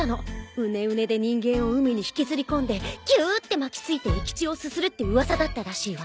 うねうねで人間を海に引きずり込んでぎゅうって巻きついて生き血をすするって噂だったらしいわ。